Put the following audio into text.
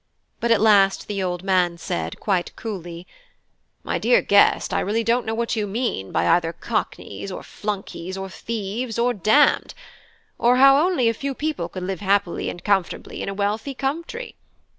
But at last the old man said, quite coolly: "My dear guest, I really don't know what you mean by either cockneys, or flunkies, or thieves, or damned; or how only a few people could live happily and comfortably in a wealthy country.